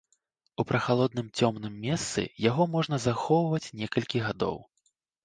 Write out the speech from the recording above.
У прахалодным цёмным месцы яго можна захоўваць некалькі гадоў.